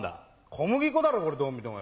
小麦粉だろどう見てもよ。